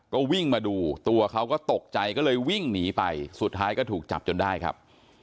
ก็วิ่งมาดูตัวเขาก็ตกใจก็เลยวิ่งหนีไปสุดท้ายก็ถูกจับจนได้ครับ